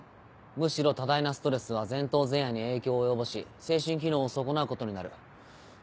むしろ多大なストレスは前頭前野に影響を及ぼし精神機能を損なうことになるさらには。